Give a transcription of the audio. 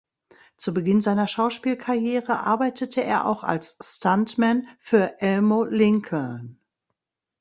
Zu Beginn seiner Schauspielkarriere arbeitete er auch als Stuntman für Elmo Lincoln.